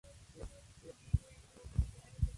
Fello nació en Barahona, República Dominicana.